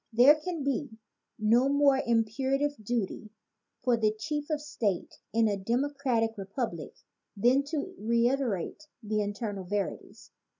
There can be no more imperative duty for the chief of state in a demo cratic republic than to reiterate the eternal veri ties.